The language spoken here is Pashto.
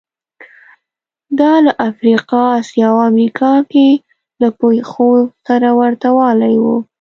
دا له افریقا، اسیا او امریکا کې له پېښو سره ورته والی و